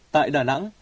tại đà nẵng